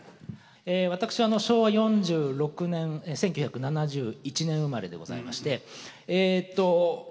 私は昭和４６年１９７１年生まれでございましてえっと